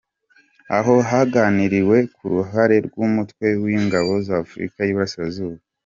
Aho haganiriwe ku ruhare rw’Umutwe w’Ingabo z’Afurika y’Iburasirazuba.